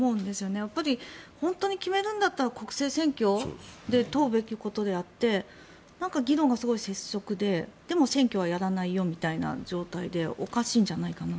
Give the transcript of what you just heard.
やっぱり本当に決めるんだったら国政選挙で問うべきであってなんか議論がすごい拙速ででも選挙はやらないよみたいな状態でおかしいんじゃないかなと。